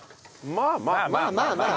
まあまあまあまあ。